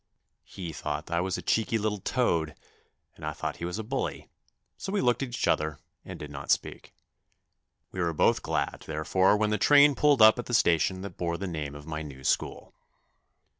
He thought I was a cheeky little toad and I thought he was a bully, so we looked at each other and did not speak. We were both glad, therefore, when the train pulled up at the station that bore the name of my new school.